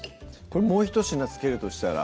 これもうひと品付けるとしたら？